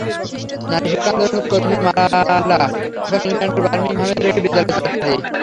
নারী শিক্ষা আন্দোলনের কর্মী মালালা এখন ইংল্যান্ডের বার্মিংহামের একটি বিদ্যালয়ের ছাত্রী।